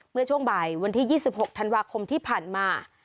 เมื่อช่วงบ่ายวันที่๒๖ธันวาคมที่ผ่านมา